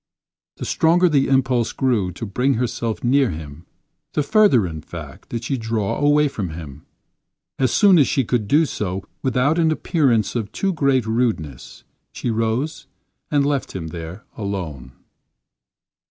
The stronger the impulse grew to bring herself near him, the further, in fact, did she draw away from him. As soon as she could do so without an appearance of too great rudeness, she rose and left him there alone.